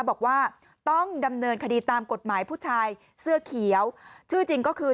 บอกว่าต้องดำเนินคดีตามกฎหมายผู้ชายเสื้อเขียวชื่อจริงก็คือ